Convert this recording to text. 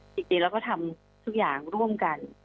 จริงเราก็ทำทุกอย่างร่วมกัน